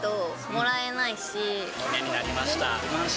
記念になりました。